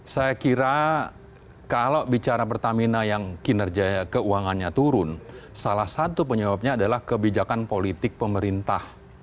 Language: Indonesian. saya kira kalau bicara pertamina yang kinerja keuangannya turun salah satu penyebabnya adalah kebijakan politik pemerintah